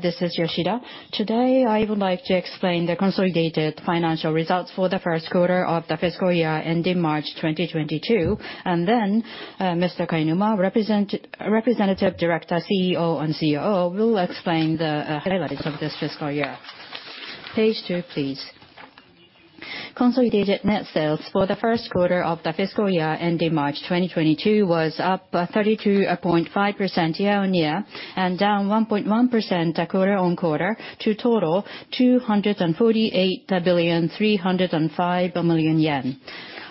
This is Yoshida. Today, I would like to explain the consolidated financial results for the first quarter of the fiscal year ending March 2022, and then Mr. Kainuma, Representative Director, CEO, and COO, will explain the highlights of this fiscal year. Page two, please. Consolidated net sales for the first quarter of the fiscal year ending March 2022 was up 32.5% year-on-year and down 1.1% quarter-on-quarter to a total of 248,305 million yen.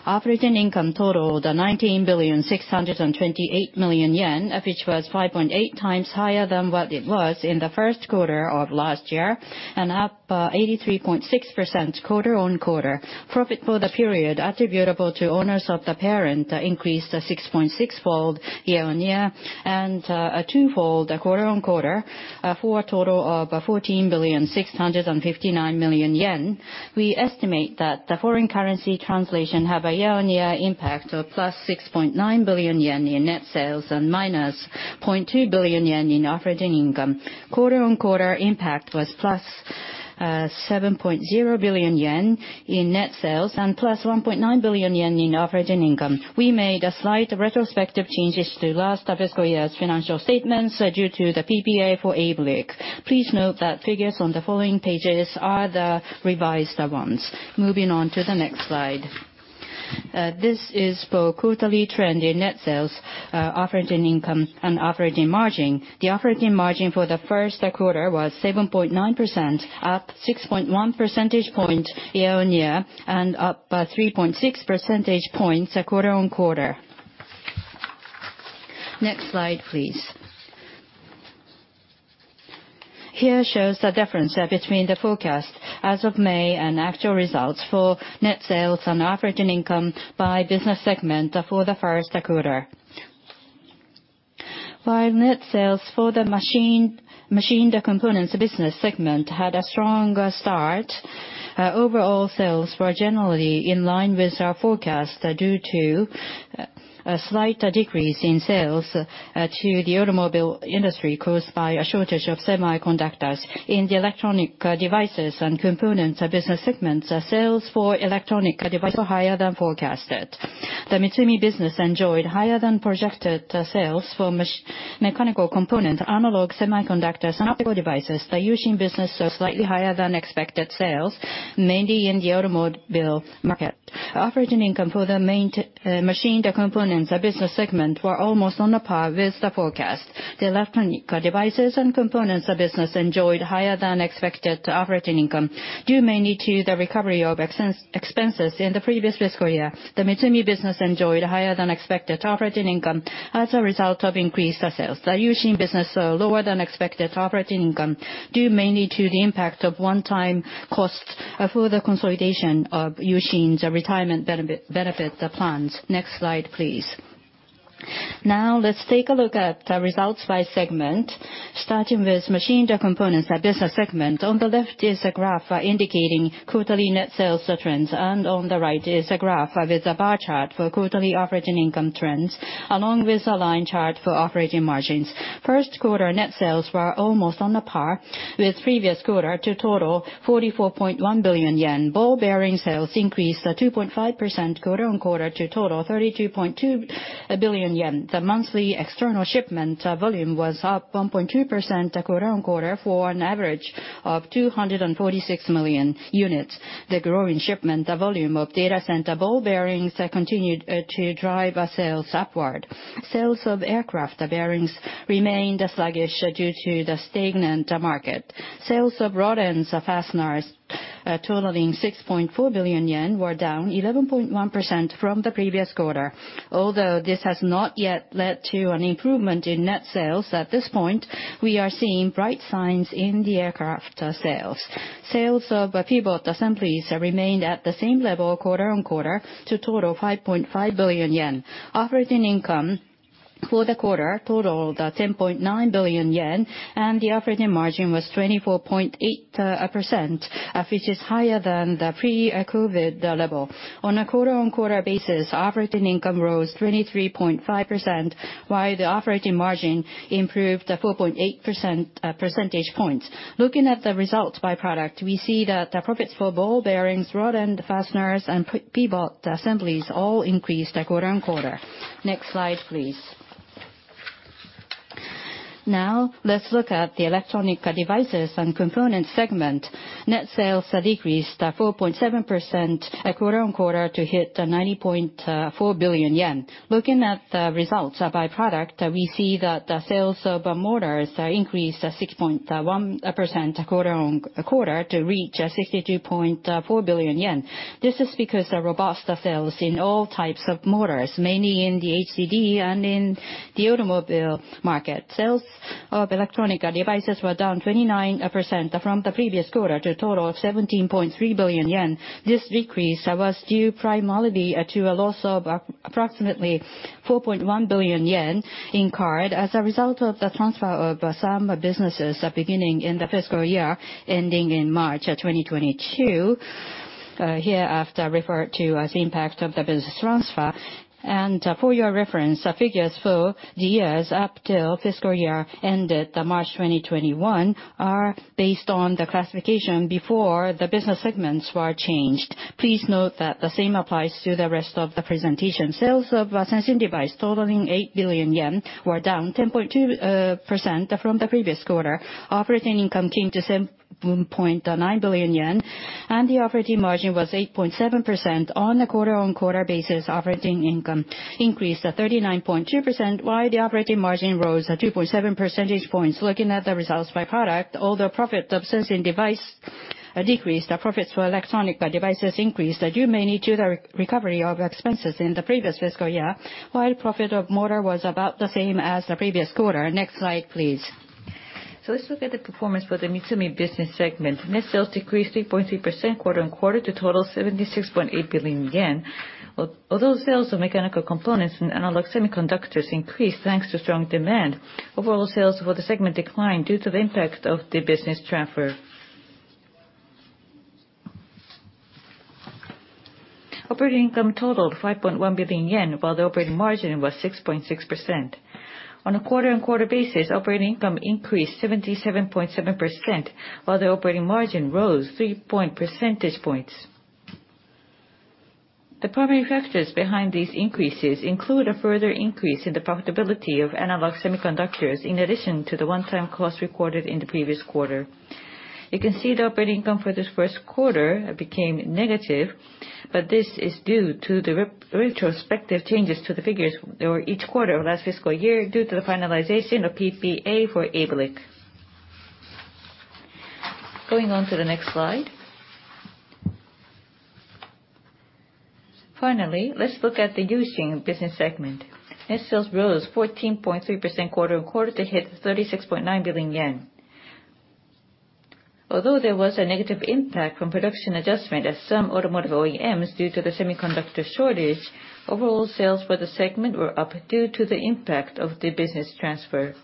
Operating income totaled 19,628 million yen, which was 5.4 times higher than what it was in the first quarter of last year, and up 83.6% quarter-on-quarter. Profit for the period attributable to owners of the parent increased 6.6-fold year-on-year and twofold quarter-on-quarter, for a total of 14,659 million yen. We estimate that the foreign currency translation had a year-on-year impact of plus 6.9 billion yen in net sales and minus 0.2 billion yen in operating income. Quarter-on-quarter impact was +7.0 billion yen in net sales and +1.9 billion yen in operating income. We made slight retrospective changes to last fiscal year's financial statements due to the PPA for ABLIC. Please note that figures on the following pages are the revised ones. Moving on to the next slide. This is for quarterly trend in net sales, operating income, and operating margin. The operating margin for the first quarter was 7.9%, up 6.1 percentage points year-on-year and up 3.6 percentage points quarter-on-quarter. Next slide, please. Here shows the difference between the forecast as of May and actual results for net sales and operating income by business segment for the first quarter. While net sales for the Machine Components Business Segment had a stronger start, overall sales were generally in line with our forecast due to a slight decrease in sales to the automobile industry caused by a shortage of semiconductors. In the Electronic Devices and Components Business Segment, sales for electronic devices were higher than forecasted. The Mitsumi Business enjoyed higher than projected sales for mechanical components, analog semiconductors, and optical devices. The U-Shin Business saw slightly higher than expected sales, mainly in the automobile market. Operating income for the Machine Components Business Segment was almost on par with the forecast. The Electronic Devices and Components Business enjoyed higher than expected operating income, due mainly to the recovery of expenses in the previous fiscal year. The Mitsumi Business enjoyed higher than expected operating income as a result of increased sales. The U-Shin Business saw lower than expected operating income, due mainly to the impact of one-time costs for the consolidation of U-Shin's retirement benefit plans. Next slide, please. Let's take a look at the results by segment, starting with Machine Components Business Segment. On the left is a graph indicating quarterly net sales trends, on the right is a graph with a bar chart for quarterly operating income trends, along with a line chart for operating margins. First quarter net sales were almost on par with the previous quarter to total 44.1 billion yen. Ball bearing sales increased 2.5% quarter-on-quarter to a total of 32.2 billion yen. The monthly external shipment volume was up 1.2% quarter-on-quarter for an average of 246 million units. The growing shipment volume of data center ball bearings continued to drive our sales upward. Sales of aircraft bearings remained sluggish due to the stagnant market. Sales of rod ends and fasteners totaling 6.4 billion yen were down 11.1% from the previous quarter. This has not yet led to an improvement in net sales at this point, we are seeing bright signs in the aircraft sales. Sales of pivot assemblies remained at the same level quarter-on-quarter to a total of 5.5 billion yen. Operating income for the quarter totaled 10.9 billion yen, and the operating margin was 24.8%, which is higher than the pre-COVID level. On a quarter-on-quarter basis, operating income rose 23.5%, while the operating margin improved 4.8 percentage points. Looking at the results by product, we see that the profits for ball bearings, rod ends and fasteners, and pivot assemblies all increased quarter-on-quarter. Next slide, please. Let's look at the electronic devices and components segment. Net sales decreased 4.7% quarter-on-quarter to hit 90.4 billion yen. Looking at the results by product, we see that sales of motors increased 6.1% quarter-on-quarter to reach 62.4 billion yen. This is because of robust sales in all types of motors, mainly in the HDD and in the automobile market. Sales of electronic devices were down 29% from the previous quarter to a total of 17.3 billion yen. This decrease was due primarily to a loss of approximately 4.1 billion yen incurred as a result of the transfer of some businesses beginning in the fiscal year ending in March 2022. Hereafter referred to as impact of the business transfer. For your reference, our figures for the years up till fiscal year ended March 2021, are based on the classification before the business segments were changed. Please note that the same applies to the rest of the presentation. Sales of our Sensing Device totaling 8 billion yen, were down 10.2% from the previous quarter. Operating income came to 7.9 billion yen, and the operating margin was 8.7% on a quarter-on-quarter basis. Operating income increased to 39.2%, while the operating margin rose 2.7 percentage points. Looking at the results by product, all the profit of Sensing Device decreased. The profits for electronic devices increased, due mainly to the recovery of expenses in the previous fiscal year, while profit of motor was about the same as the previous quarter. Next slide, please. Let's look at the performance for the Mitsumi business segment. Net sales decreased 3.3% quarter-on-quarter to total 76.8 billion yen. Although sales of mechanical components and analog semiconductors increased thanks to strong demand, overall sales for the segment declined due to the impact of the business transfer. Operating income totaled 5.1 billion yen, while the operating margin was 6.6%. On a quarter-on-quarter basis, operating income increased 77.7%, while the operating margin rose 3 percentage points. The primary factors behind these increases include a further increase in the profitability of analog semiconductors, in addition to the one-time cost recorded in the previous quarter. You can see the operating income for this first quarter became negative, but this is due to the retrospective changes to the figures for each quarter of last fiscal year due to the finalization of PPA for ABLIC. Going on to the next slide. Finally, let's look at the U-Shin Business segment. Net sales rose 14.3% quarter on quarter to hit 36.9 billion yen. Although there was a negative impact from production adjustment at some automotive OEMs due to the semiconductor shortage, overall sales for the segment were up due to the impact of the business transfer.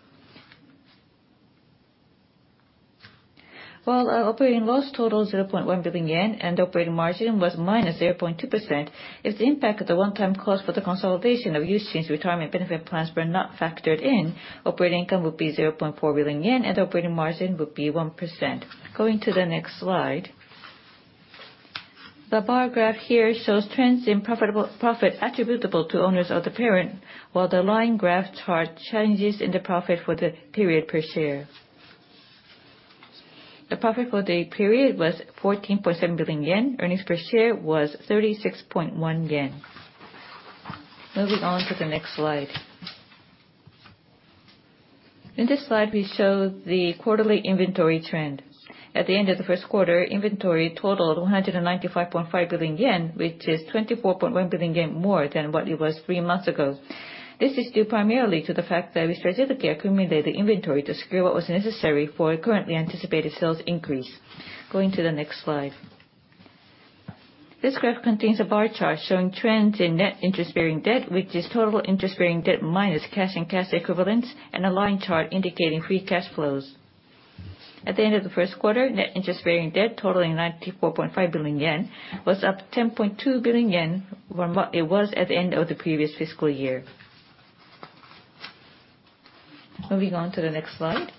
While our operating loss totals 0.1 billion yen and operating margin was -0.2%, if the impact of the one-time cost for the consolidation of U-Shin's retirement benefit plans were not factored in, operating income would be 0.4 billion yen and operating margin would be 1%. Going to the next slide. The bar graph here shows trends in profit attributable to owners of the parent, while the line graphs are changes in the profit for the period per share. The profit for the period was 14.7 billion yen. Earnings per share was 36.1 yen. Moving on to the next slide. In this slide, we show the quarterly inventory trend. At the end of the first quarter, inventory totaled 195.5 billion yen, which is 24.1 billion yen more than what it was three months ago. This is due primarily to the fact that we strategically accumulated inventory to secure what was necessary for a currently anticipated sales increase. Going to the next slide. This graph contains a bar chart showing trends in net interest-bearing debt, which is total interest-bearing debt, minus cash and cash equivalents, and a line chart indicating free cash flows. At the end of the first quarter, net interest-bearing debt totaling 94.5 billion yen, was up 10.2 billion yen from what it was at the end of the previous fiscal year. Moving on to the next slide.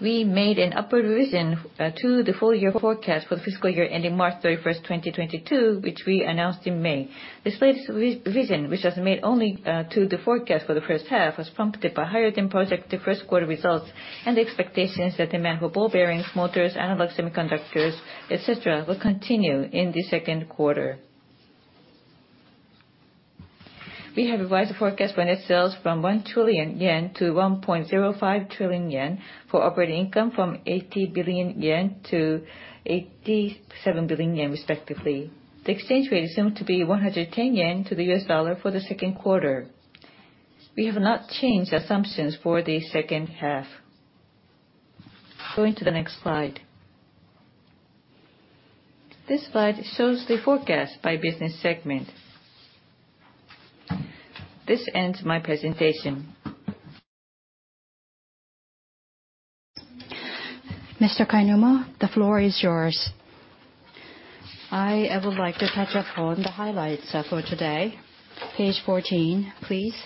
We made an upward revision to the full-year forecast for the fiscal year ending March 31st, 2022, which we announced in May. This latest revision, which was made only to the forecast for the first half, was prompted by higher-than-projected first quarter results and the expectations that demand for ball bearings, motors, analog semiconductors, et cetera, will continue in the second quarter. We have revised the forecast for net sales from 1 trillion yen to 1.05 trillion yen. For operating income, from 80 billion yen to 87 billion yen respectively. The exchange rate is assumed to be 110 yen to the US dollar for the second quarter. We have not changed assumptions for the second half. Going to the next slide. This slide shows the forecast by business segment. This ends my presentation. Mr. Kainuma, the floor is yours. I would like to touch upon the highlights for today. Page 14, please.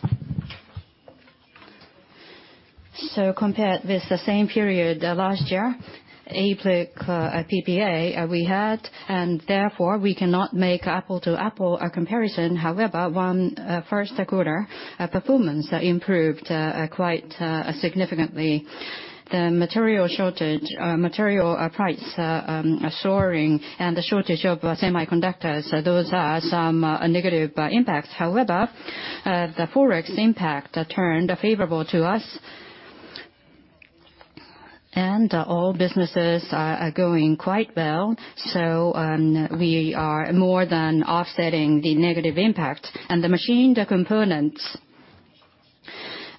Compared with the same period last year, ABLIC PPA we had, and therefore we cannot make apple-to-apple comparison. First quarter performance improved quite significantly. The material shortage, material price soaring, and the shortage of semiconductors, those are some negative impacts. The Forex impact turned favorable to us. All businesses are going quite well. We are more than offsetting the negative impact. The machine components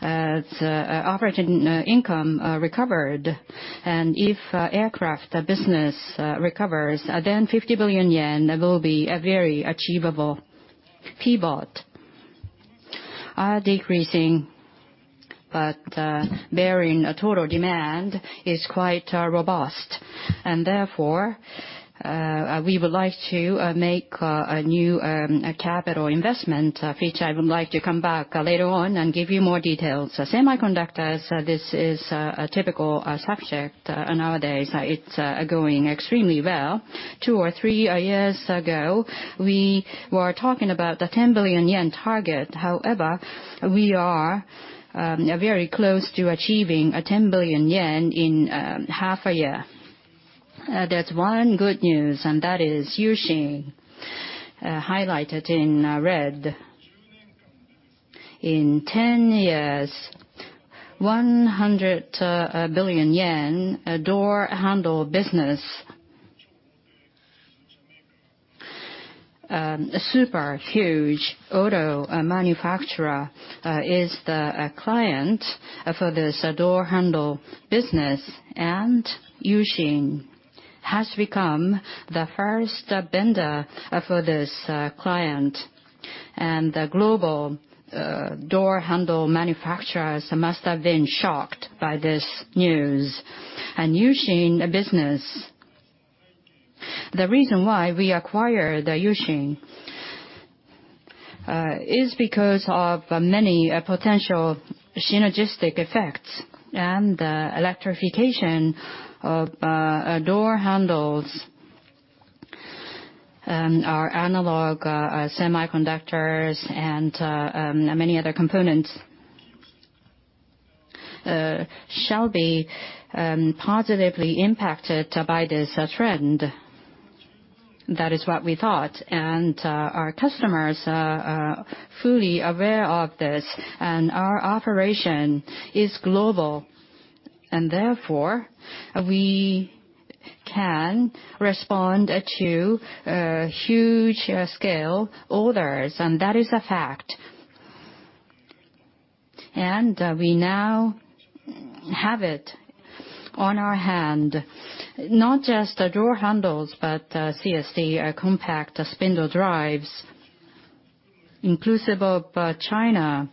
operating income recovered. If aircraft business recovers, 50 billion yen will be a very achievable PBOT are decreasing, but bearing total demand is quite robust. Therefore, we would like to make a new capital investment, which I would like to come back later on and give you more details. Semiconductors, this is a typical subject, nowadays it's going extremely well. Two or three years ago, we were talking about the 10 billion yen target. We are very close to achieving a 10 billion yen in half a year. There's one good news, that is U-Shin, highlighted in red. In 10 years, 100 billion yen door handle business. A super huge auto manufacturer is the client for this door handle business, U-Shin has become the first vendor for this client, the global door handle manufacturers must have been shocked by this news. U-Shin Business, the reason why we acquired the U-Shin, is because of many potential synergistic effects and the electrification of door handles and our analog semiconductors and many other components shall be positively impacted by this trend. That is what we thought. Our customers are fully aware of this, and our operation is global, and therefore, we can respond to huge scale orders, and that is a fact. We now have it on our hand, not just the door handles, but the CSD, compact spindle drives, inclusive of China,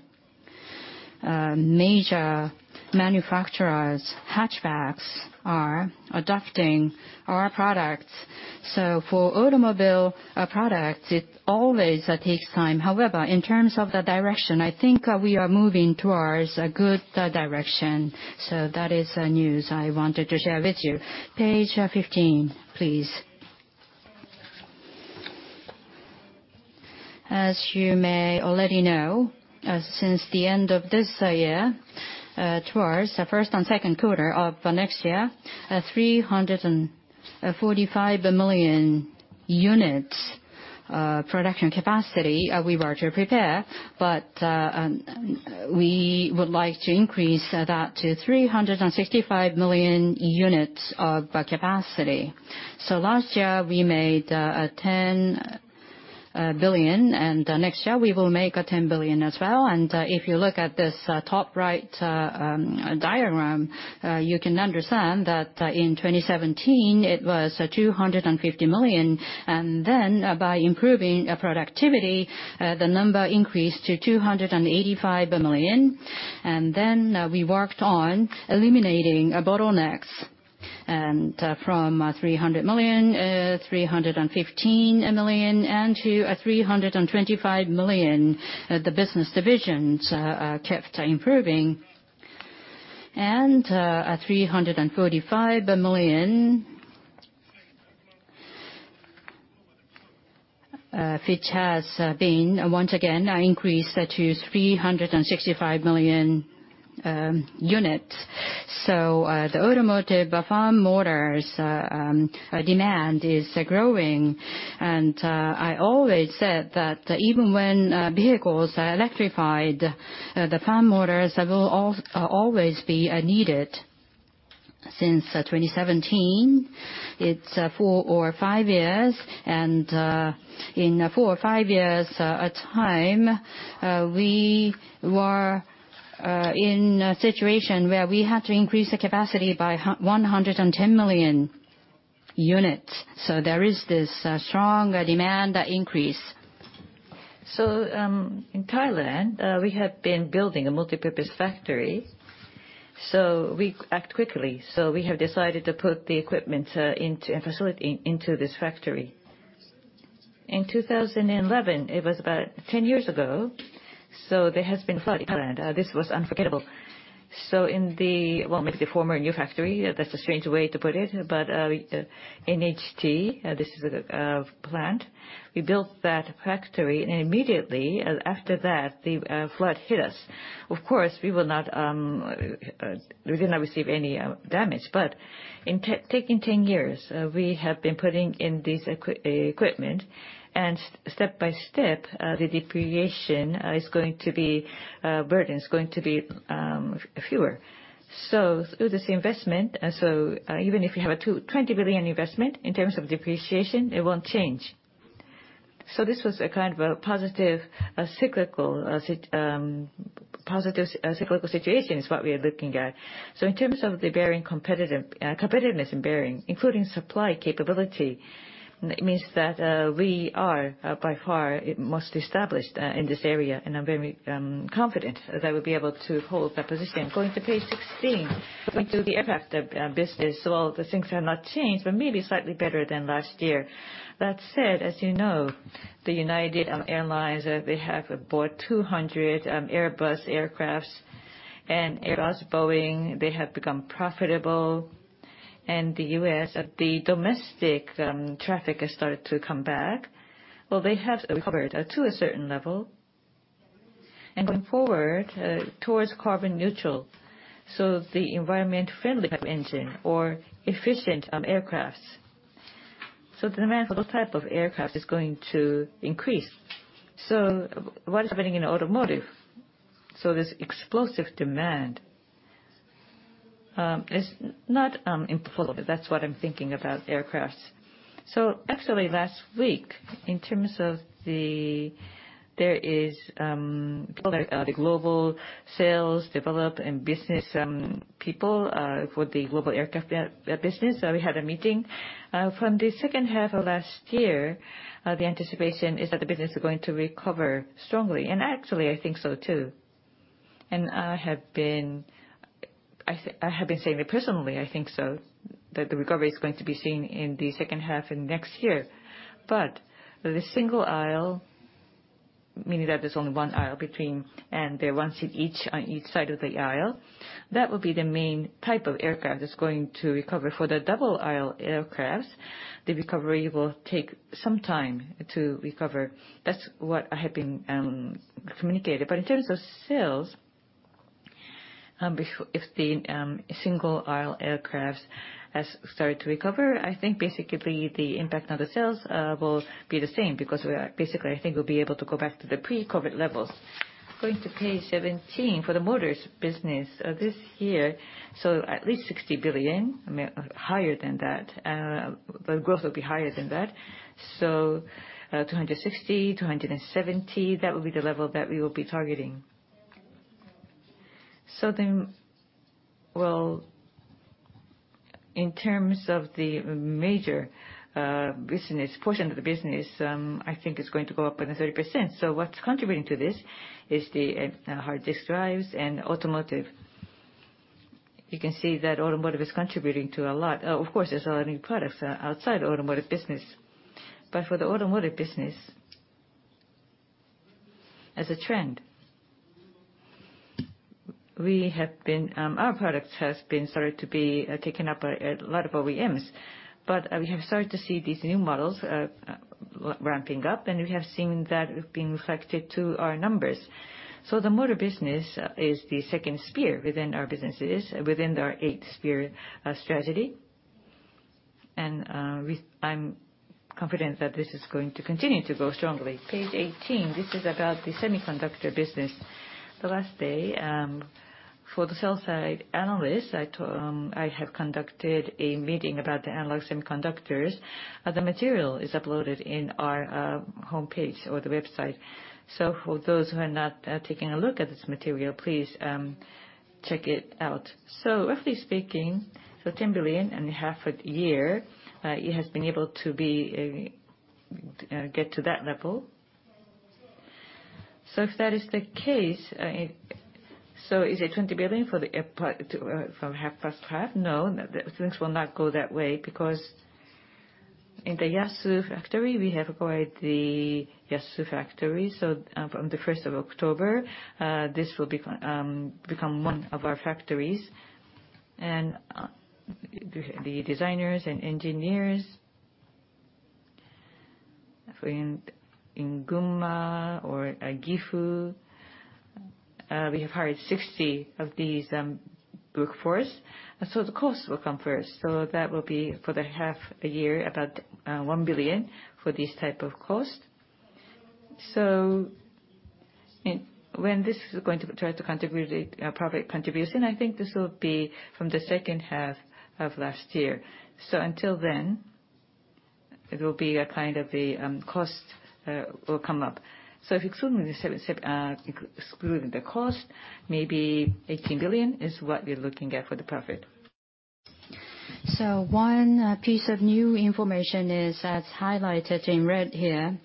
major manufacturers, hatchbacks are adopting our products. For automobile products, it always takes time. However, in terms of the direction, I think we are moving towards a good direction. That is news I wanted to share with you. Page 15, please. As you may already know, since the end of this year towards the first and second quarter of next year, 345 million units production capacity we were to prepare, but we would like to increase that to 365 million units of capacity. Last year, we made 10 billion, and next year we will make 10 billion as well. If you look at this top right diagram, you can understand that in 2017 it was 250 million, and then by improving productivity, the number increased to 285 million. We worked on eliminating bottlenecks, and from 300 million, 315 million, and to 325 million, the business divisions kept improving. 345 million, which has been once again increased to 365 million units. The automotive fan motors demand is growing. I always said that even when vehicles are electrified, the fan motors will always be needed. Since 2017, it's four or five years, and in four or five years time, we were in a situation where we had to increase the capacity by 110 million units. There is this strong demand increase. In Thailand, we have been building a multipurpose factory. We act quickly. We have decided to put the equipment into a facility into this factory. In 2011, it was about 10 years ago. There has been a flood in Thailand. This was unforgettable. In the former new factory, that's a strange way to put it, but in HT, this is a plant, we built that factory, and immediately after that, the flood hit us. Of course, we did not receive any damage, but taking 10 years, we have been putting in this equipment, and step by step, the depreciation burden is going to be fewer. Through this investment, even if you have a 20 billion investment, in terms of depreciation, it won't change. This was a kind of a positive cyclical as it- positive cyclical situation is what we are looking at. In terms of the competitiveness in bearing, including supply capability, it means that we are by far most established in this area, and I'm very confident that we'll be able to hold that position. Going to page 16, going to the aircraft business. The things have not changed, but maybe slightly better than last year. That said, as you know, United Airlines, they have bought 200 Airbus aircraft, and Airbus, Boeing, they have become profitable. The U.S., the domestic traffic has started to come back. Well, they have recovered to a certain level. Going forward, towards carbon neutral, so the environment-friendly type engine or efficient aircraft. The demand for those type of aircraft is going to increase. What is happening in automotive? This explosive demand is not in full, but that's what I'm thinking about aircraft. Actually last week, there is the global sales develop and business people for the global aircraft business. We had a meeting. From the second half of last year, the anticipation is that the business is going to recover strongly, and actually, I think so too. I have been saying it personally, I think so, that the recovery is going to be seen in the second half in next year. The single aisle, meaning that there's only one aisle between, and they're one seat each on each side of the aisle, that will be the main type of aircraft that's going to recover. For the double aisle aircraft, the recovery will take some time to recover. That's what I have been communicated. In terms of sales, if the single aisle aircraft has started to recover, I think basically the impact on the sales will be the same because basically, I think we'll be able to go back to the pre-COVID levels. Going to page 17, for the motors business. This year, at least 60 billion, higher than that. The growth will be higher than that. 260 billion-270 billion, that will be the level that we will be targeting. Well, in terms of the major portion of the business, I think it's going to go up another 30%. What's contributing to this is the hard disk drives and automotive. You can see that automotive is contributing to a lot. Of course, there's a lot of new products outside the automotive business. For the automotive business, as a trend, our product has been started to be taken up by a lot of OEMs. We have started to see these new models ramping up, and we have seen that being reflected to our numbers. The motor business is the second spear within our businesses, within our Eight Spear strategy. I'm confident that this is going to continue to grow strongly. Page 18, this is about the semiconductor business. The last day, for the sell-side analysts, I have conducted a meeting about the analog semiconductors. The material is uploaded in our homepage or the website. For those who have not taken a look at this material, please check it out. Roughly speaking, 10 billion in half a year, it has been able to get to that level. If that is the case, so is it 20 billion for the half plus half? No, things will not go that way because in the Yasu Plant, we have acquired the Yasu Plant. From the 1st of October, this will become one of our factories. The designers and engineers in Gunma or Gifu, we have hired 60 of these workforce. The cost will come first. That will be, for the half a year, about 1 billion for this type of cost. When this is going to try to contribute a profit contribution, I think this will be from the second half of last year. Until then, it will be a kind of the cost will come up. Excluding the cost, maybe 18 billion is what we're looking at for the profit. One piece of new information is, as highlighted in red here,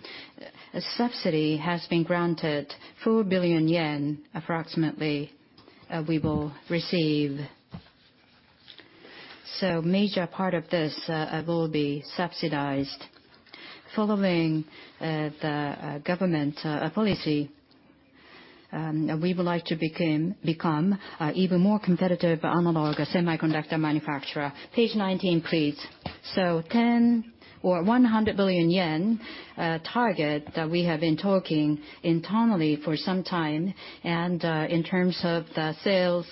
a subsidy has been granted, 4 billion yen, approximately, we will receive. Major part of this will be subsidized. Following the government policy, we would like to become an even more competitive analog semiconductor manufacturer. Page 19, please. 10 billion or 100 billion yen target that we have been talking internally for some time, and in terms of the sales,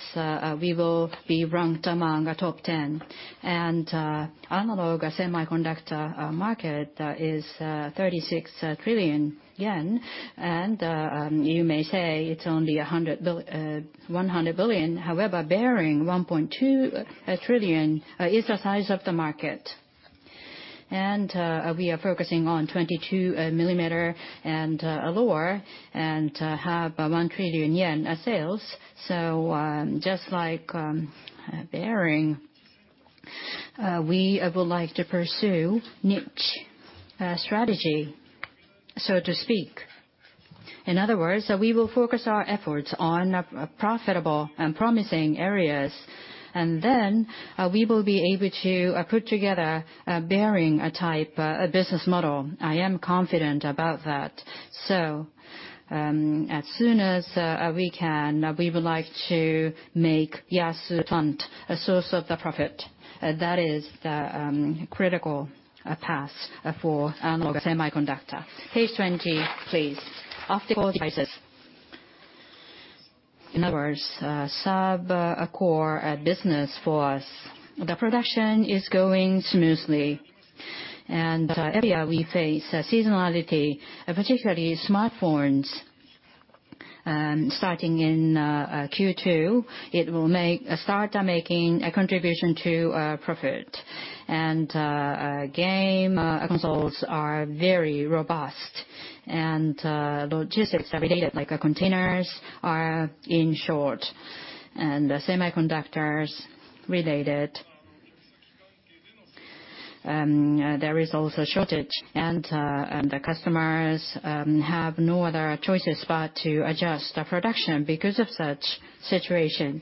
we will be ranked among the top 10. Analog semiconductor market is 36 trillion yen, and you may say it's only 100 billion. However, bearing 1.2 trillion is the size of the market. We are focusing on 22 millimeter and lower, and have 1 trillion yen sales. Just like bearing, we would like to pursue niche strategy, so to speak. In other words, we will focus our efforts on profitable and promising areas, and then we will be able to put together a bearing-type business model. I am confident about that. As soon as we can, we would like to make Yasu Plant a source of the profit. That is the critical path for analog semiconductors. Page 20, please. Optical devices. In other words, sub-core business for us. The production is going smoothly, and that area we face seasonality, particularly smartphones. Starting in Q2, it will start making a contribution to profit. Game consoles are very robust, and logistics-related, like containers, are in short and semiconductors-related. There is also a shortage, and the customers have no other choices but to adjust the production because of such situation.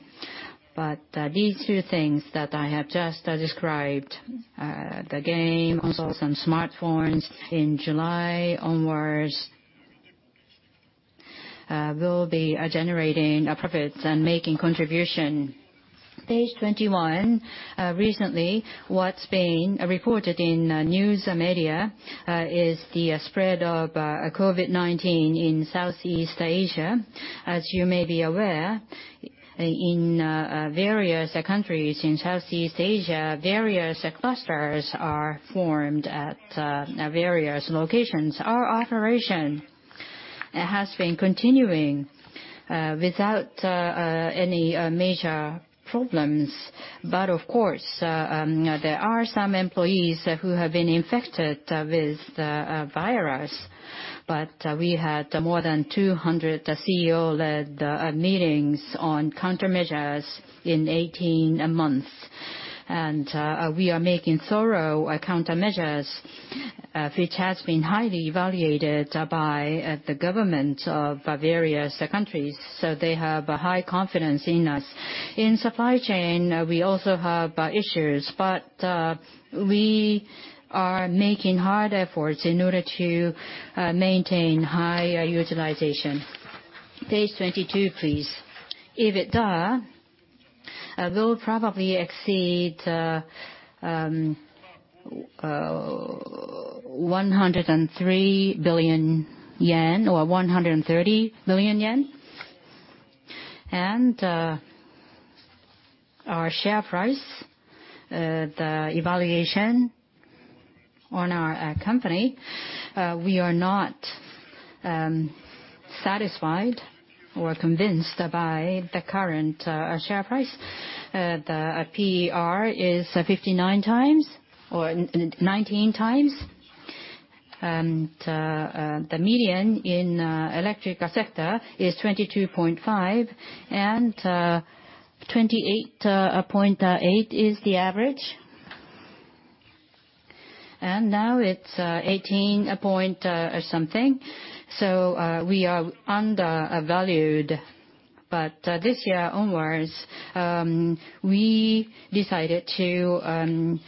These two things that I have just described, the game consoles and smartphones, in July onwards, will be generating profits and making contribution. Page 21. Recently, what's been reported in news media is the spread of COVID-19 in Southeast Asia. As you may be aware, in various countries in Southeast Asia, various clusters are formed at various locations. Our operation has been continuing without any major problems. Of course, there are some employees who have been infected with the virus. We had more than 200 CEO-led meetings on countermeasures in 18 months. We are making thorough countermeasures, which has been highly evaluated by the government of various countries, so they have a high confidence in us. In supply chain, we also have issues, but we are making hard efforts in order to maintain high utilization. Page 22, please. EBITDA will probably exceed 103 billion yen or 130 billion yen. Our share price, the evaluation on our company, we are not satisfied or convinced by the current share price. The PER is 59 times, or 19 times, and the median in electrical sector is 22.5, and 28.8 is the average. Now it's 18-point or something, so we are undervalued. This year onwards, we decided to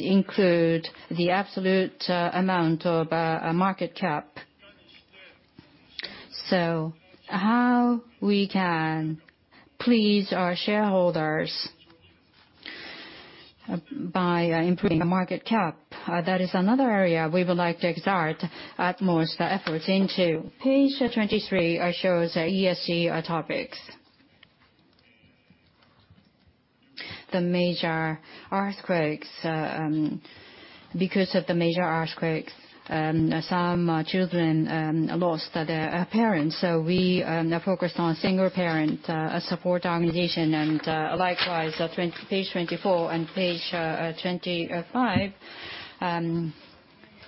include the absolute amount of market cap. How we can please our shareholders by improving the market cap, that is another area we would like to exert utmost efforts into. Page 23 shows ESG topics. The major earthquakes, because of the major earthquakes, some children lost their parents, so we focused on a single parent support organization, and likewise, page 24 and page 25,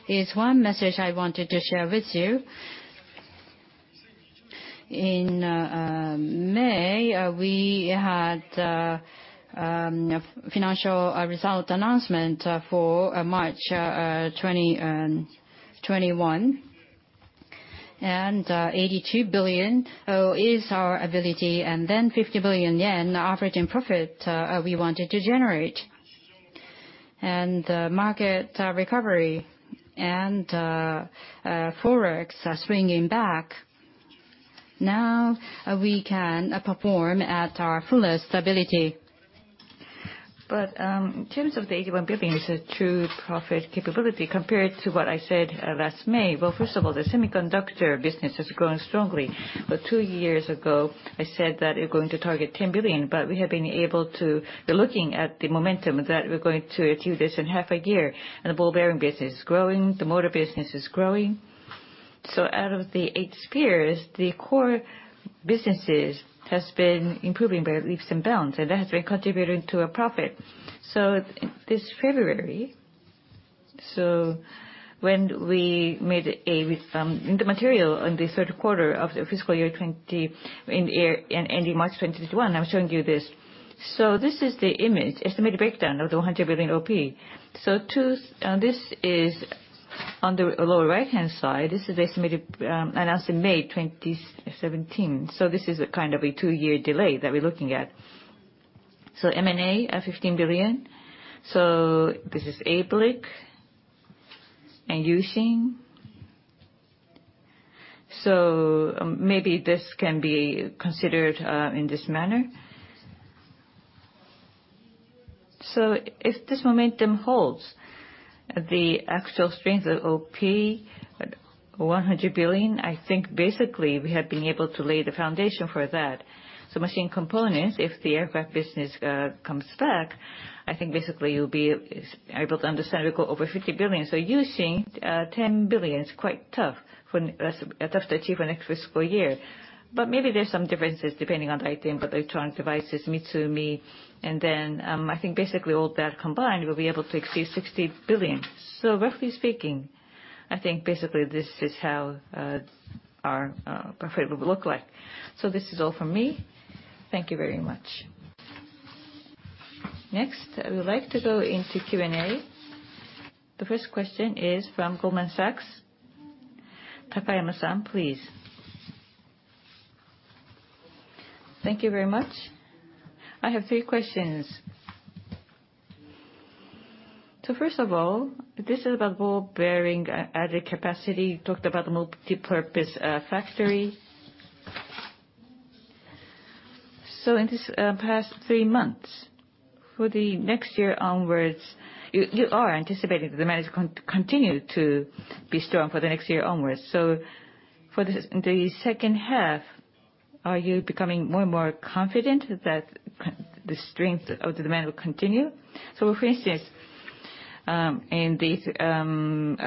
is one message I wanted to share with you. In May, we had financial result announcement for March 2021, and 82 billion is our ability, and then 50 billion yen operating profit we wanted to generate. Market recovery and Forex are swinging back. Now we can perform at our fullest ability. In terms of the 81 billion is a true profit capability compared to what I said last May. First of all, the semiconductor business is growing strongly. Two years ago, I said that we're going to target 10 billion, but we're looking at the momentum that we're going to achieve this in half a year. The ball bearing business is growing, the motor business is growing. Out of the Eight Spear, the core businesses has been improving by leaps and bounds, and that has been contributing to a profit. This February, when we made the material on the third quarter of the fiscal year ending March 2021, I was showing you this. This is the image, estimated breakdown of the 100 billion OP. On the lower right-hand side, this is estimated, announced in May 2017. This is a kind of a two-year delay that we're looking at. M&A at 15 billion. This is ABLIC and U-Shin. Maybe this can be considered in this manner. If this momentum holds, the actual strength of OP at 100 billion, we have been able to lay the foundation for that. Machine components, if the aircraft business comes back, you'll be able to understand we go over 50 billion. U-Shin 10 billion is quite tough to achieve in next fiscal year. Maybe there's some differences depending on IT and electronic devices, Mitsumi, and then, all that combined, we'll be able to exceed 60 billion. Roughly speaking, this is how our profit will look like. This is all from me. Thank you very much. I would like to go into Q and A. The 1st question is from Goldman Sachs. Takayama-san, please. Thank you very much. I have three questions. First of all, this is about ball bearings added capacity. You talked about the multipurpose factory. In this past three months, for the next year onwards, you are anticipating the demand is going to continue to be strong for the next year onwards. For the second half, are you becoming more and more confident that the strength of the demand will continue? For instance, I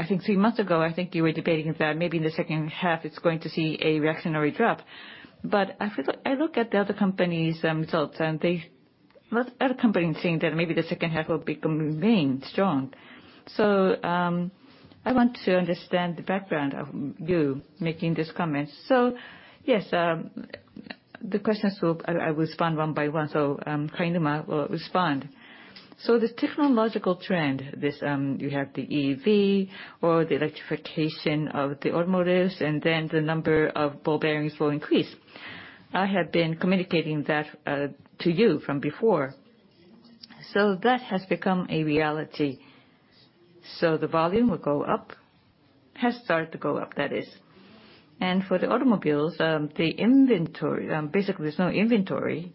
think three months ago, I think you were debating that maybe in the second half, it's going to see a reactionary drop. I look at the other companies' results, and other companies are saying that maybe the second half will become remain strong. I want to understand the background of you making these comments. Yes, the questions, I will respond one by one. Kainuma will respond. The technological trend, you have the EV or the electrification of the automotives, the number of ball bearings will increase. I have been communicating that to you from before. That has become a reality. The volume will go up. Has started to go up, that is. For the automobiles, basically, there's no inventory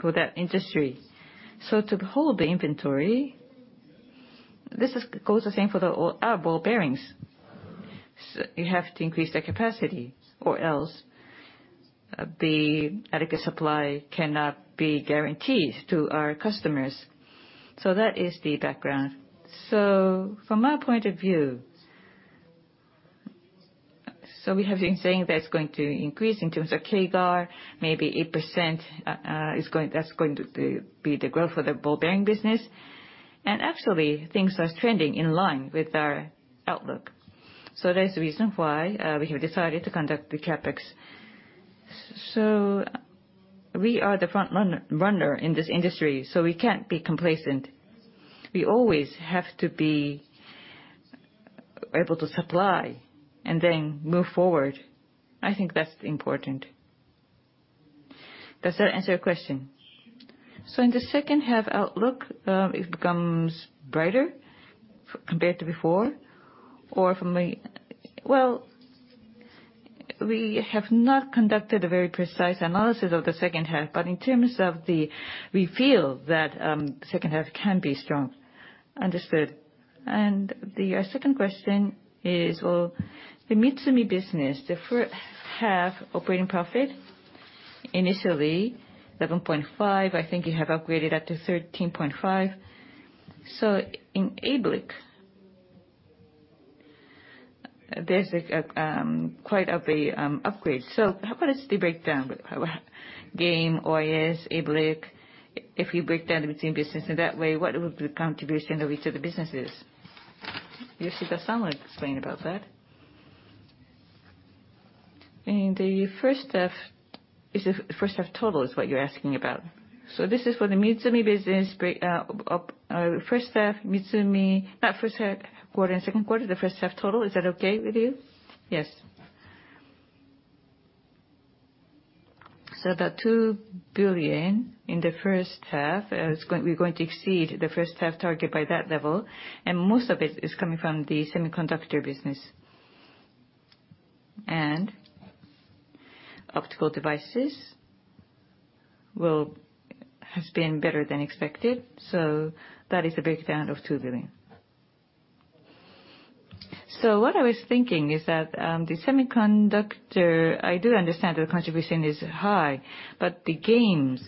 for that industry. To hold the inventory, this goes the same for our ball bearings. You have to increase the capacity, or else the adequate supply cannot be guaranteed to our customers. That is the background. From my point of view, we have been saying that it's going to increase in terms of CAGR, maybe 8%, that's going to be the growth for the ball bearing business. Actually, things are trending in line with our outlook. That is the reason why we have decided to conduct the CapEx. We are the front-runner in this industry, we can't be complacent. We always have to be able to supply and then move forward. I think that's important. Does that answer your question? In the second half outlook, it becomes brighter compared to before? Well, we have not conducted a very precise analysis of the second half, but in terms of the, we feel that second half can be strong. Understood. The second question is, well, the Mitsumi business, the first half operating profit, initially 11.5. I think you have upgraded that to 13.5. In ABLIC, there's quite of a upgrade. How about the breakdown? Game, OES, ABLIC, if you break down the Mitsumi business in that way, what would be the contribution of each of the businesses? Yoshida-san will explain about that. In the first half total is what you're asking about. This is for the Mitsumi business, first half, Mitsumi, not first half quarter, second quarter, the first half total. Is that okay with you? Yes. About 2 billion in the first half. We're going to exceed the first half target by that level, and most of it is coming from the semiconductor business. Optical devices has been better than expected, that is the breakdown of 2 billion. What I was thinking is that the semiconductor, I do understand the contribution is high, but the games,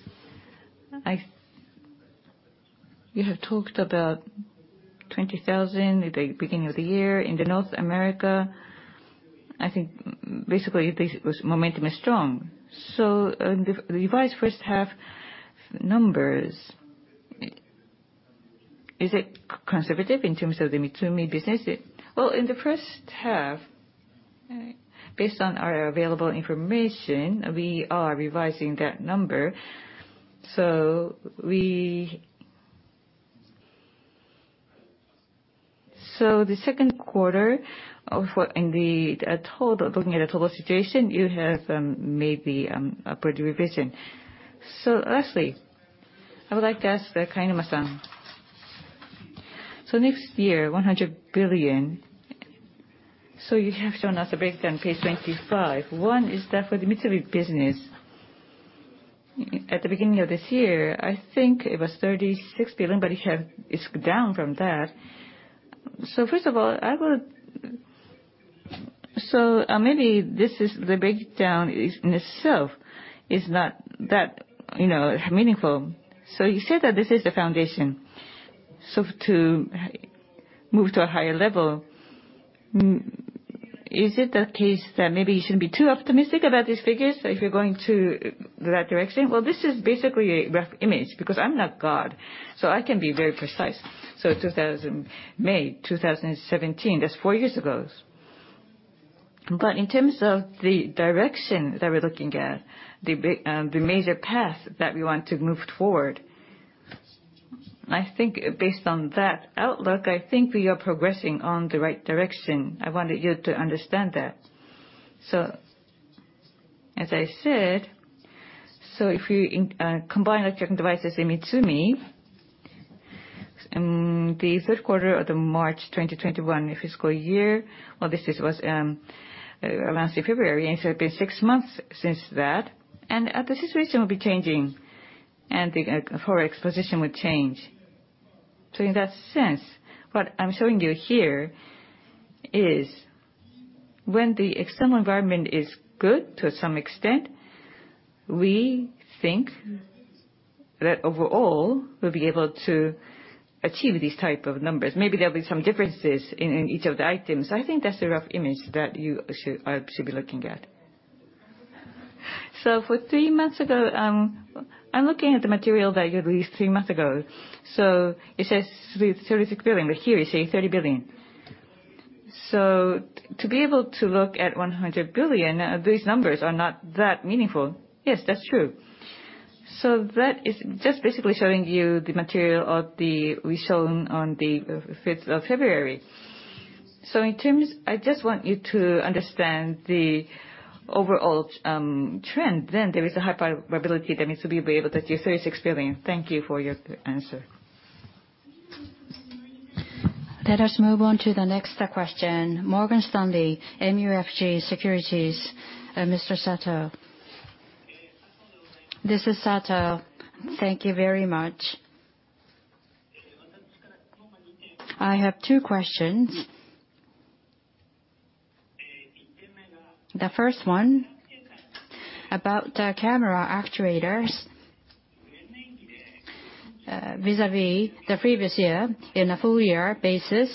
you have talked about 20,000 at the beginning of the year in North America. I think basically this momentum is strong. The revised first half numbers, is it conservative in terms of the Mitsumi business? Well, in the first half, based on our available information, we are revising that number. The second quarter, looking at the total situation, you have made the upward revision. Lastly, I would like to ask Kainuma-san. Next year, 100 billion. You have shown us a breakdown on page 25. 1 is that for the Mitsumi business. At the beginning of this year, I think it was 36 billion, but it's down from that. First of all, maybe the breakdown in itself is not that meaningful. You said that this is the foundation. To move to a higher level, is it the case that maybe you shouldn't be too optimistic about these figures if you're going in that direction? Well, this is basically a rough image because I'm not God, so I can be very precise. May 2017, that's four years ago. In terms of the direction that we're looking at, the major path that we want to move forward, based on that outlook, I think we are progressing on the right direction. I wanted you to understand that. As I said, if you combine electronic devices and Mitsumi, the third quarter of the March 2021 fiscal year, well, this was announced in February, it's been six months since that. The situation will be changing, and the Forex position would change. In that sense, what I'm showing you here is when the external environment is good to some extent, we think that overall, we'll be able to achieve these type of numbers. Maybe there'll be some differences in each of the items. I think that's the rough image that you should be looking at. For three months ago, I'm looking at the material that you released three months ago, it says 36 billion, but here you say 30 billion. To be able to look at 100 billion, these numbers are not that meaningful. Yes, that's true. That is just basically showing you the material we've shown on the 5th of February. I just want you to understand the overall trend, there is a high probability that Mitsumi will be able to do JPY 36 billion. Thank you for your answer. Move on to the next question. Morgan Stanley MUFG Securities, Mr. Sato. This is Sato. Thank you very much. I have two questions. The 1st one, about the camera actuators, vis-a-vis the previous year in a full-year basis.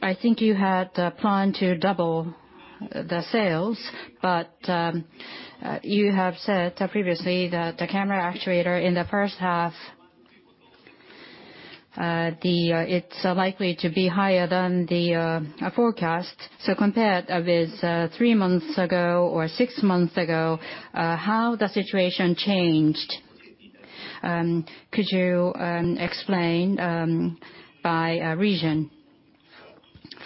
I think you had planned to double the sales, but you have said previously that the camera actuator in the first half, it's likely to be higher than the forecast. Compared with three months ago or six months ago, how the situation changed? Could you explain by region?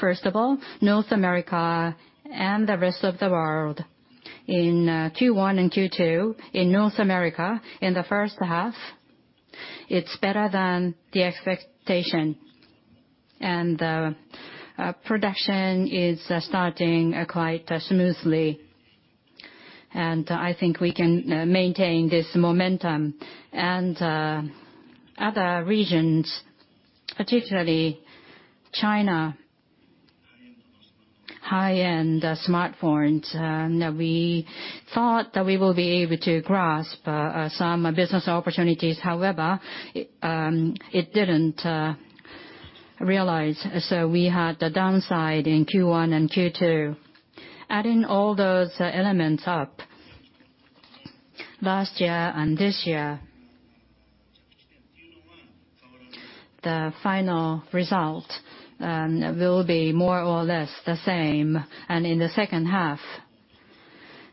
First of all, North America and the rest of the world. In Q1 and Q2 in North America, in the first half, it's better than the expectation, and production is starting quite smoothly, and I think we can maintain this momentum. Other regions, particularly China, high-end smartphones, we thought that we will be able to grasp some business opportunities. However, it didn't realize. We had a downside in Q1 and Q2. Adding all those elements up, last year and this year, the final result will be more or less the same. In the second half,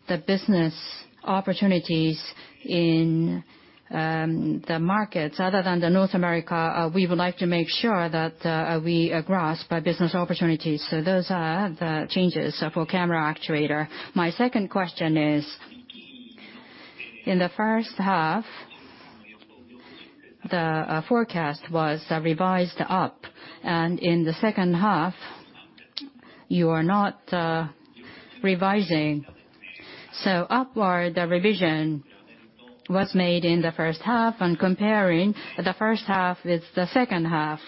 the business opportunities in the markets other than North America, we would like to make sure that we grasp business opportunities. Those are the changes for camera actuator. My second question is, in the first half, the forecast was revised up, and in the second half, you are not revising. Upward revision was made in the first half, and comparing the first half with the second half,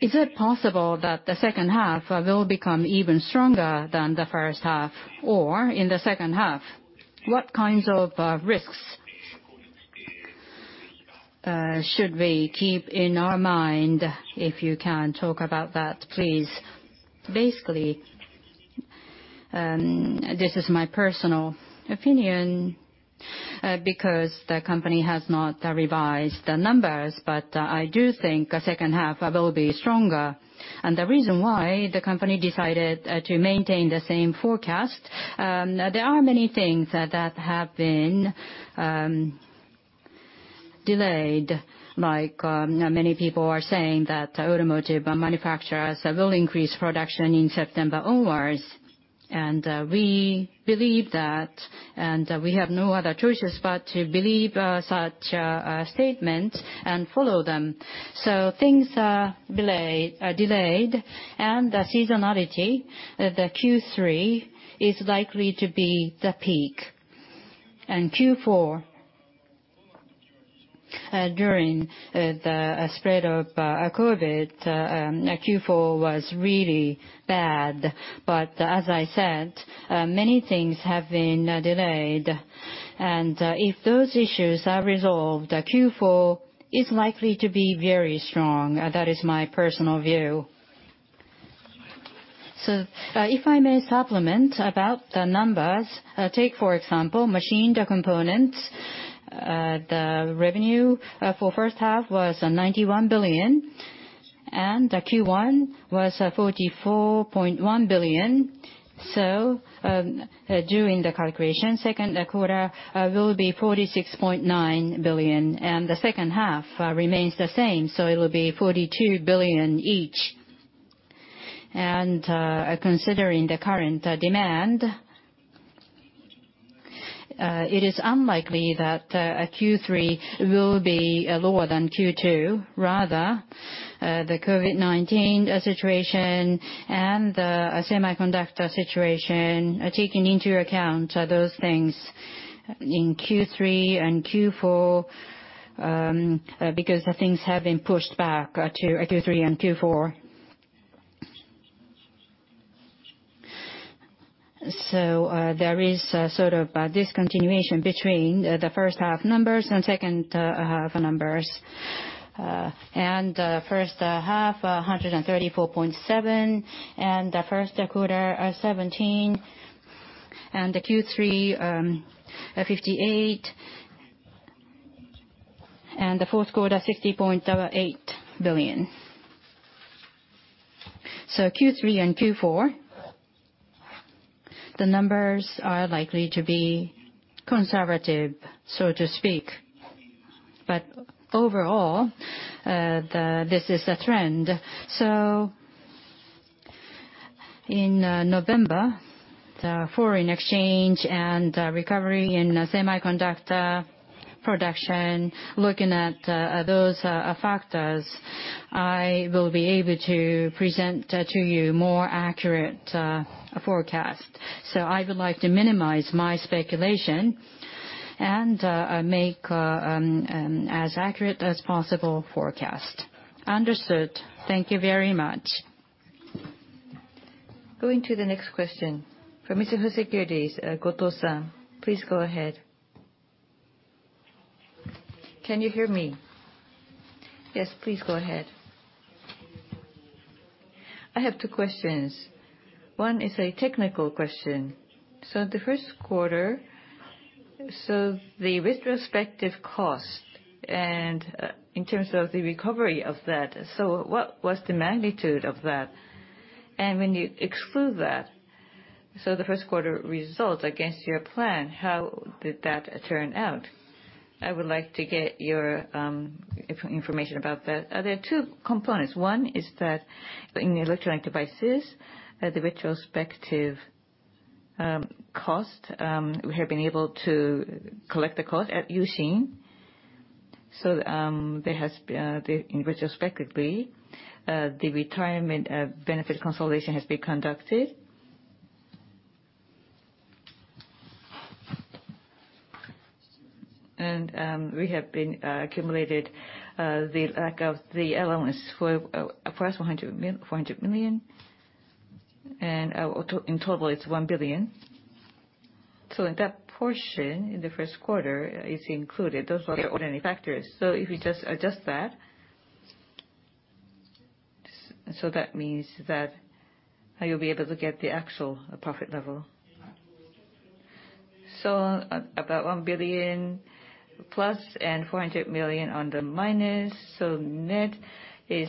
is it possible that the second half will become even stronger than the first half? In the second half, what kinds of risks should we keep in our mind, if you can talk about that, please? Basically, this is my personal opinion, because the company has not revised the numbers, but I do think the second half will be stronger. The reason why the company decided to maintain the same forecast. There are many things that have been delayed, like many people are saying that automotive manufacturers will increase production in September onwards. We believe that, and we have no other choices but to believe such statements and follow them. Things are delayed, and the seasonality, the Q3, is likely to be the peak. Q4, during the spread of COVID, Q4 was really bad. As I said, many things have been delayed, and if those issues are resolved, Q4 is likely to be very strong. That is my personal view. If I may supplement about the numbers. Take, for example, machine components. The revenue for the first half was 91 billion, Q1 was 44.1 billion. During the calculation, second quarter will be 46.9 billion, and the second half remains the same, it'll be 42 billion each. Considering the current demand, it is unlikely that Q3 will be lower than Q2. Rather, the COVID-19 situation and the semiconductor situation are taken into account, those things in Q3 and Q4, because things have been pushed back to Q3 and Q4. There is sort of discontinuation between the first half numbers and second half numbers. First half, JPY 134.7, the first quarter, 17, the Q3, 58, and the fourth quarter, 60.8 billion. Q3 and Q4, the numbers are likely to be conservative, so to speak. Overall, this is the trend. In November, the foreign exchange and recovery in semiconductor production, looking at those factors, I will be able to present to you more accurate forecast. I would like to minimize my speculation and make as accurate as possible forecast. Understood. Thank you very much. Going to the next question, from Mizuho Securities, Goto-san, please go ahead. Can you hear me? Yes, please go ahead. I have two questions. One is a technical question. The first quarter, so the retrospective cost, in terms of the recovery of that, what was the magnitude of that? When you exclude that, so the first quarter results against your plan, how did that turn out? I would like to get your information about that. There are two components. One is that in the electronic devices, the retrospective cost, we have been able to collect the cost at U-Shin. In retrospectively, the retirement benefit consolidation has been conducted. We have accumulated the lack of the allowance for approximately 400 million, and in total, it's 1 billion. That portion in the first quarter is included. Those are the ordinary factors. If you just adjust that means that you'll be able to get the actual profit level. About 1 billion+ and 400 million on the minus. Net is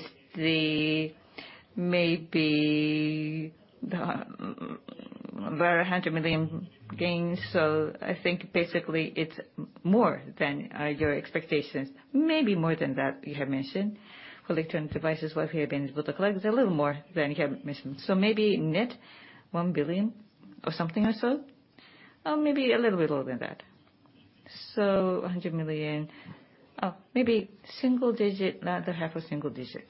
maybe 100 million gains. I think basically, it's more than your expectations. Maybe more than that, you have mentioned. Electronic devices, what we have been able to collect is a little more than you have mentioned. Maybe net 1 billion or something like so? Maybe a little bit lower than that. 100 million. Maybe single digit, not half a single digit.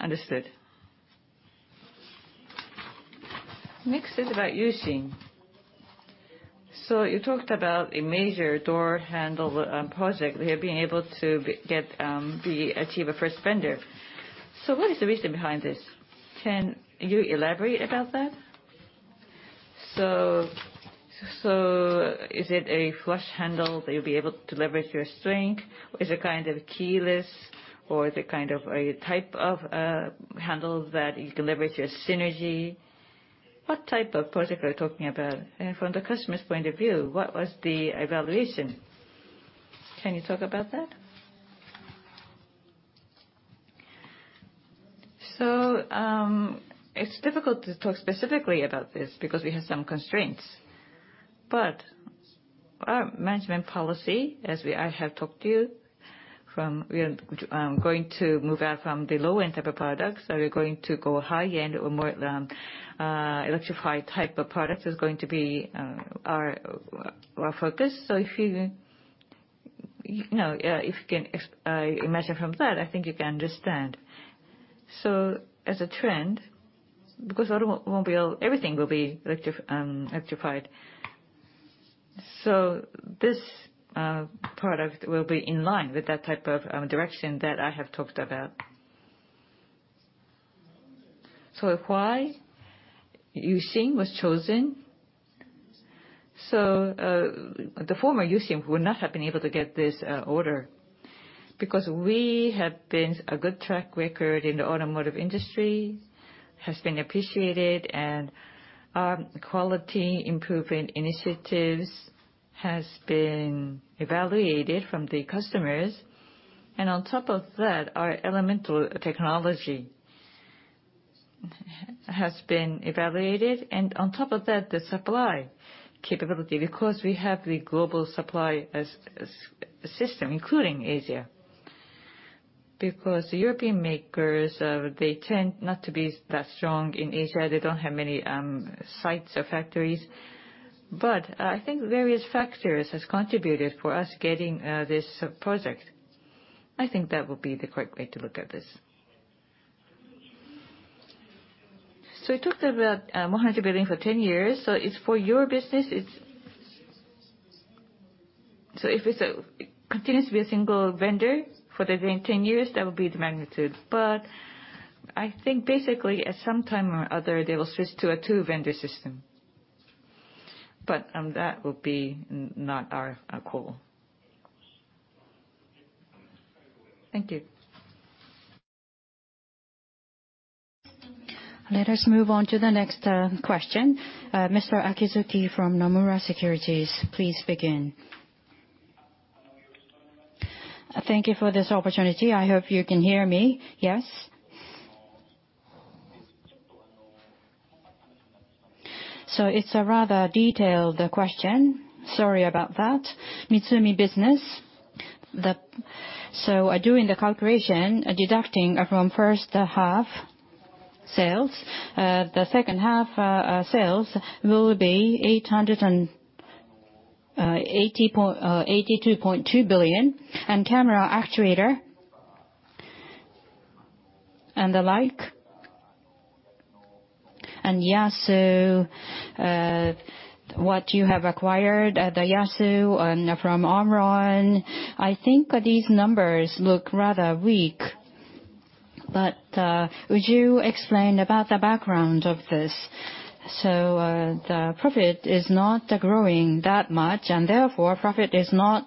Understood. Next is about U-Shin. You talked about a major door handle project where you have been able to achieve a first vendor. What is the reason behind this? Can you elaborate about that? Is it a flush handle that you'll be able to leverage your strength? Or is it keyless? Or is it a type of handle that you can leverage your synergy? What type of project are you talking about? From the customer's point of view, what was the evaluation? Can you talk about that? It's difficult to talk specifically about this because we have some constraints. Our management policy, as I have talked to you from, we are going to move out from the low-end type of products. We're going to go high-end or more electrified type of products is going to be our focus. If you can imagine from that, I think you can understand. As a trend, because automobile, everything will be electrified. This product will be in line with that type of direction that I have talked about. Why U-Shin was chosen? The former U-Shin would not have been able to get this order, because we have been a good track record in the automotive industry, has been appreciated, and quality improvement initiatives has been evaluated from the customers. On top of that, our elemental technology has been evaluated, and on top of that, the supply capability, because we have the global supply system, including Asia. The European makers, they tend not to be that strong in Asia. They don't have many sites or factories. I think various factors has contributed for us getting this project. I think that would be the correct way to look at this. We talked about JPY 100 billion for 10 years. It's for your business, so if it continues to be a single vendor for the remaining 10 years, that would be the magnitude. I think basically, at some time or other, they will switch to a two-vendor system. That will be not our goal. Thank you. Let us move on to the next question. Mr. Akizuki from Nomura Securities, please begin. Thank you for this opportunity. I hope you can hear me. Yes. It's a rather detailed question. Sorry about that. Mitsumi business. During the calculation, deducting from first half sales, the second half sales will be 882.2 billion, and camera actuator, and the like. Yasu, what you have acquired at Yasu and from OMRON, I think these numbers look rather weak. Would you explain about the background of this? The profit is not growing that much, and therefore, profit is not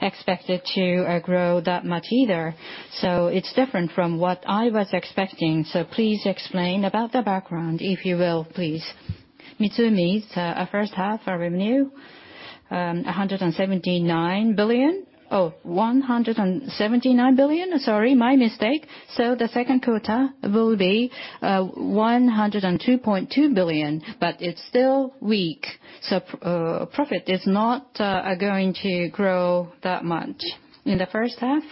expected to grow that much either. It's different from what I was expecting. Please explain about the background, if you will, please. Mitsumi's first half revenue, 179 billion. 179 billion. Sorry, my mistake. The second quarter will be 102.2 billion, but it's still weak, so profit is not going to grow that much. In the first half,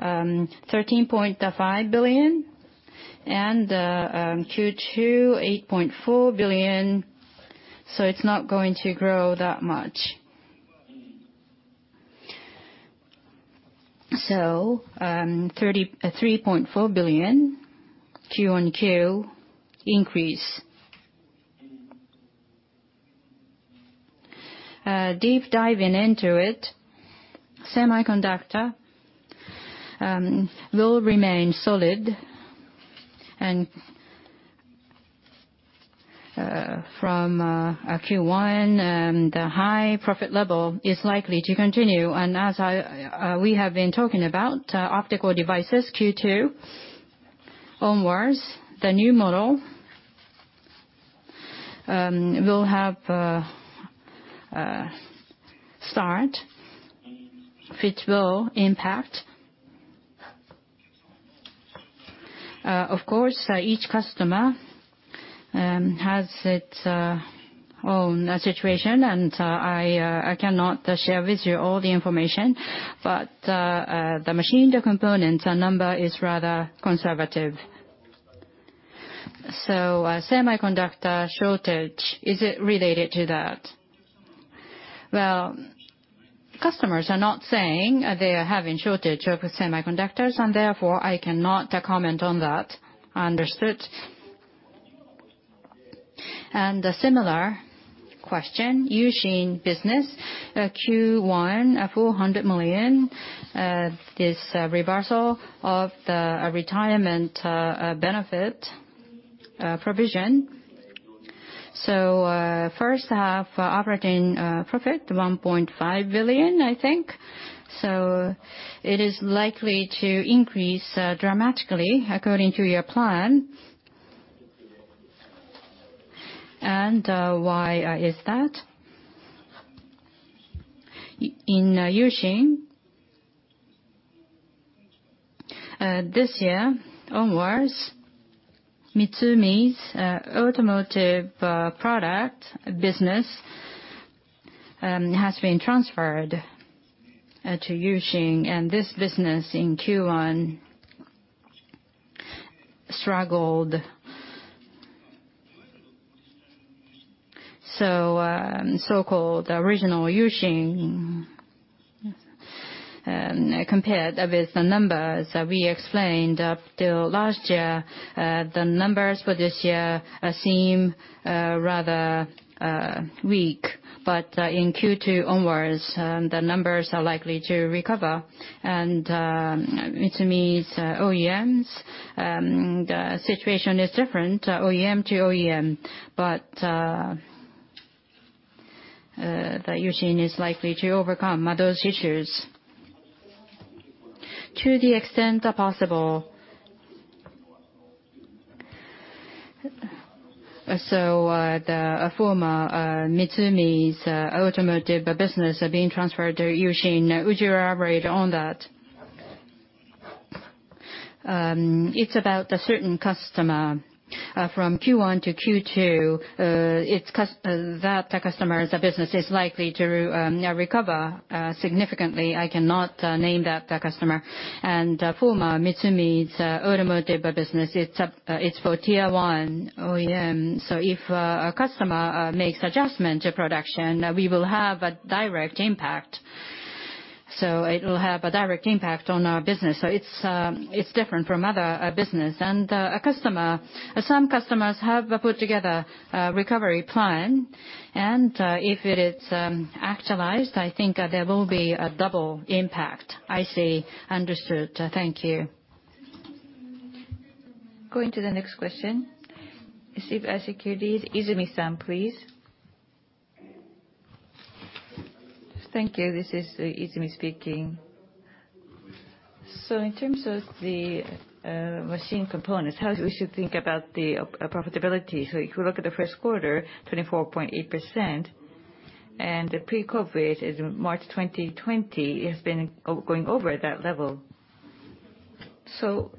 13.5 billion, and Q2, 8.4 billion, so it's not going to grow that much. 33.4 billion Q1Q increase. Deep diving into it, semiconductor will remain solid, and from Q1, the high profit level is likely to continue. As we have been talking about optical devices, Q2 onwards, the new model will have a start, which will impact. Of course, each customer has its own situation, and I cannot share with you all the information, but the machine, the components, the number is rather conservative. Semiconductor shortage, is it related to that? Well, customers are not saying they are having shortage of semiconductors, and therefore I cannot comment on that. Understood. A similar question. U-Shin business, Q1, 400 million, this reversal of the retirement benefit provision. First half operating profit, 1.5 billion, I think. It is likely to increase dramatically according to your plan. Why is that? In U-Shin, this year onwards, Mitsumi's automotive product business has been transferred to U-Shin, and this business in Q1 struggled. So-called original U-Shin, compared with the numbers we explained up till last year, the numbers for this year seem rather weak. In Q2 onwards, the numbers are likely to recover. Mitsumi's OEMs, the situation is different OEM to OEM, but U-Shin is likely to overcome those issues to the extent possible. The former Mitsumi's automotive business are being transferred to U-Shin. Would you elaborate on that? It's about a certain customer. From Q1 to Q2, that customer's business is likely to now recover significantly. I cannot name that customer. Former Mitsumi's automotive business, it's for tier 1 OEM. If a customer makes adjustment to production, we will have a direct impact. It will have a direct impact on our business. It's different from other business. Some customers have put together a recovery plan, and if it is actualized, I think there will be a double impact. I see. Understood. Thank you. Going to the next question. SBI Securities, Izumi-san, please. Thank you. This is Izumi speaking. In terms of the machine components, how we should think about the profitability? If you look at the first quarter, 24.8%, and the pre-COVID is March 2020, it has been going over that level. How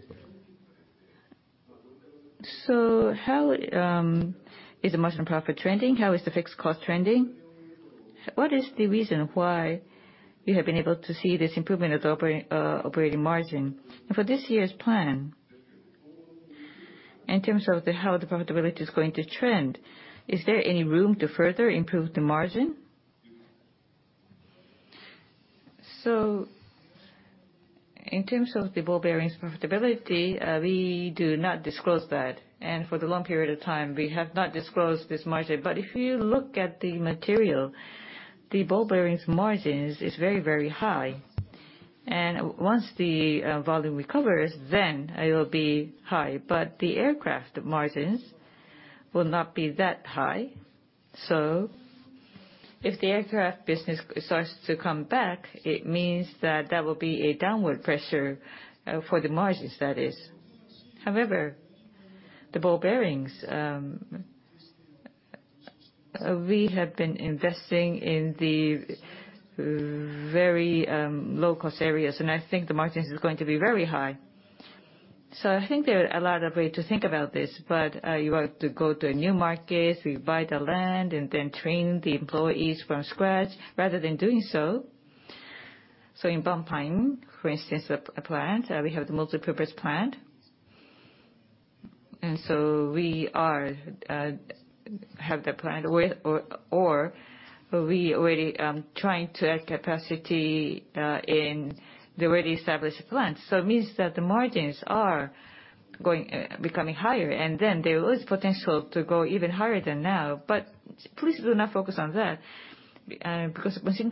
is the margin profit trending? How is the fixed cost trending? What is the reason why you have been able to see this improvement of the operating margin? For this year's plan, in terms of how the profitability is going to trend, is there any room to further improve the margin? In terms of the ball bearings profitability, we do not disclose that. For the long period of time, we have not disclosed this margin. If you look at the material, the ball bearings margins is very high. Once the volume recovers, then it will be high. The aircraft margins will not be that high. If the aircraft business starts to come back, it means that that will be a downward pressure for the margins, that is. However, the ball bearings, we have been investing in the very low-cost areas, and I think the margins is going to be very high. I think there are a lot of way to think about this, but you have to go to a new market, you buy the land, and then train the employees from scratch rather than doing so. In Bang Pa-in, for instance, a plant, we have the multipurpose plant. We have the plant, or we already trying to add capacity in the already established plant. It means that the margins are becoming higher, and then there is potential to go even higher than now. Please do not focus on that, because in machine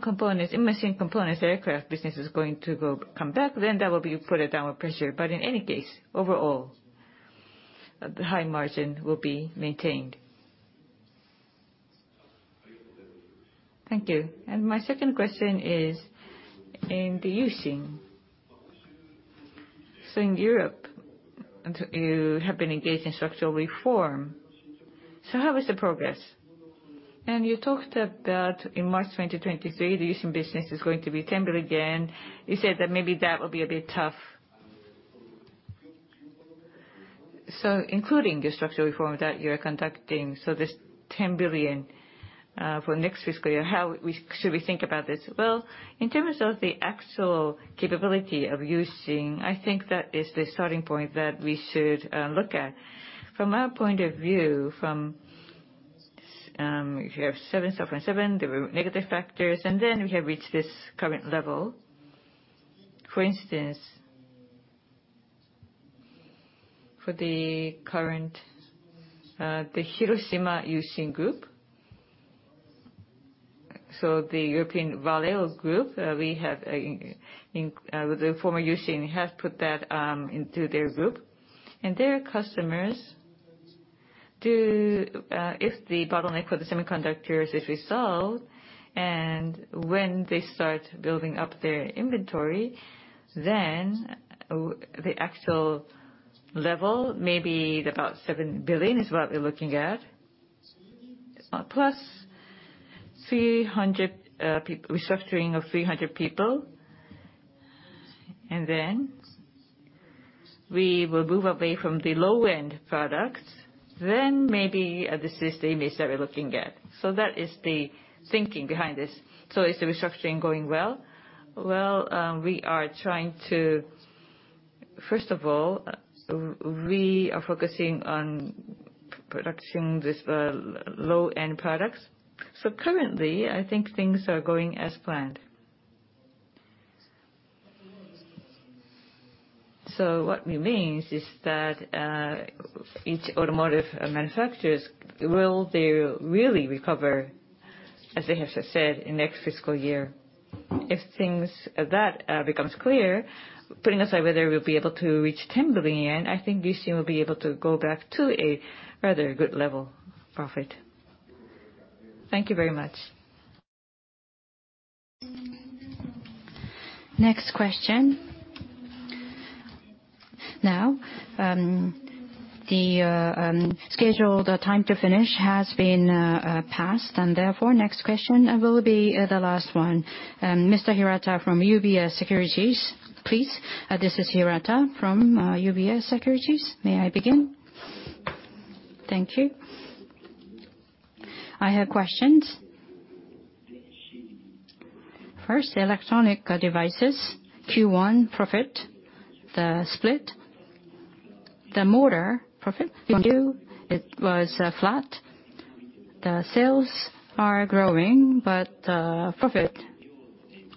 components, the aircraft business is going to come back, then that will put a downward pressure. In any case, overall, the high margin will be maintained. Thank you. My second question is in the U-Shin. In Europe, you have been engaged in structural reform. How is the progress? You talked about in March 2023, the U-Shin business is going to be JPY 10 billion. You said that maybe that will be a bit tough. Including the structural reform that you're conducting, this 10 billion for next fiscal year, how should we think about this? Well, in terms of the actual capability of U-Shin, I think that is the starting point that we should look at. From our point of view, if you have 7.7, there were negative factors, and then we have reached this current level. For instance, for the current Hiroshima U-Shin Group. The European Valeo, the former U-Shin, has put that into their group. Their customers, if the bottleneck for the semiconductors is resolved, and when they start building up their inventory, then the actual level, maybe about 7 billion is what we're looking at, plus restructuring of 300 people. Then we will move away from the low-end products, then maybe this is the image that we're looking at. That is the thinking behind this. Is the restructuring going well? Well, first of all, we are focusing on production of these low-end products. Currently, I think things are going as planned. What it means is that each automotive manufacturer, will they really recover, as they have said, in next fiscal year. If that becomes clear, putting aside whether we'll be able to reach 10 billion, I think U-Shin will be able to go back to a rather good level of profit. Thank you very much. Next question. The scheduled time to finish has been passed, and therefore next question will be the last one. Mr. Hirata from UBS Securities, please. This is Hirata from UBS Securities. May I begin? Thank you. I have questions. First, electronic devices, Q1 profit, the split. The motor profit, Q2, it was flat. The sales are growing, but the profit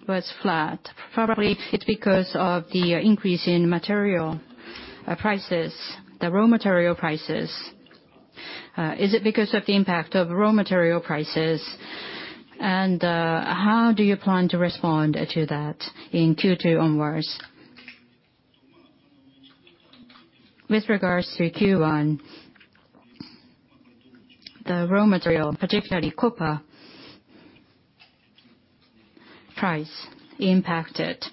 was flat. Probably it's because of the increase in material prices, the raw material prices. Is it because of the impact of raw material prices? How do you plan to respond to that in Q2 onwards? With regards to Q1, the raw material, particularly copper price, impacted.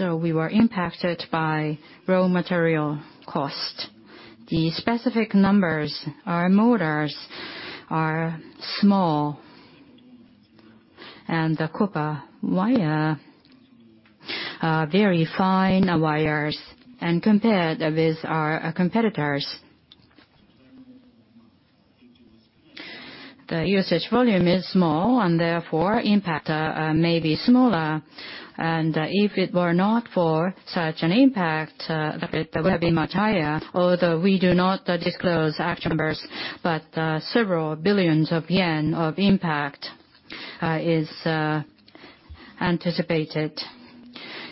We were impacted by raw material cost. The specific numbers, our motors are small, and the copper wire, very fine wires. Compared with our competitors, the usage volume is small, and therefore impact may be smaller. If it were not for such an impact, the profit would have been much higher. Although we do not disclose actual numbers, but several billion JPY of impact is anticipated.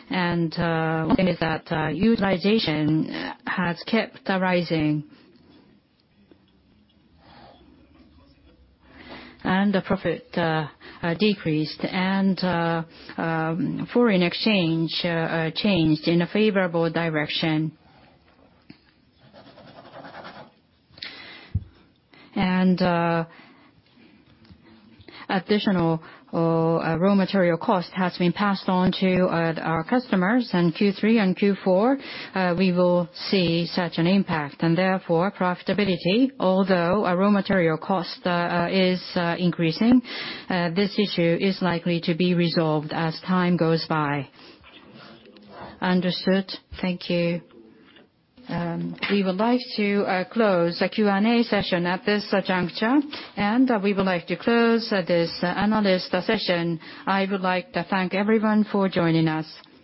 One thing is that utilization has kept rising, and the profit decreased, and foreign exchange changed in a favorable direction. Additional raw material cost has been passed on to our customers. In Q3 and Q4, we will see such an impact, and therefore profitability, although our raw material cost is increasing, this issue is likely to be resolved as time goes by. Understood. Thank you. We would like to close the Q and A session at this juncture, and we would like to close this analyst session. I would like to thank everyone for joining us.